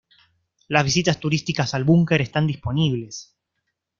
Las visitas turísticas al búnker están disponibles.